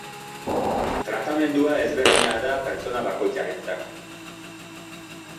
Tratamendua desberdina da pertsona bakoitzarentzako.